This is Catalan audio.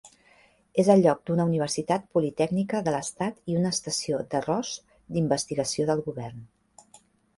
És el lloc d'una universitat politècnica de l'estat i una estació d'arròs d'investigació del govern.